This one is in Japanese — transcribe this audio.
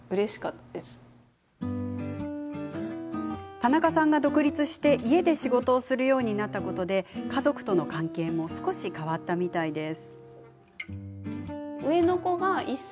田中さんが独立して、家で仕事をするようになったことで家族との関係も少し変わったみたいです。